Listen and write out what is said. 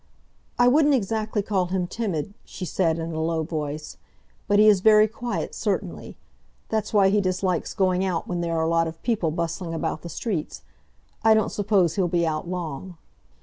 "I wouldn't exactly call him timid," she said, in a low voice, "but he is very quiet, certainly. That's why he dislikes going out when there are a lot of people bustling about the streets. I don't suppose he'll be out long."